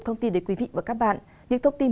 thông tin đến quý vị và các bạn những thông tin